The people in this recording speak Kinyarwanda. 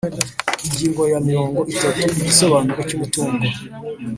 Ingingo ya mirongo itatu Igisobanuro cy umutungo